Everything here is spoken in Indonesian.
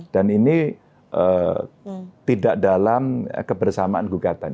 dan ini tidak dalam kebersamaan gugatan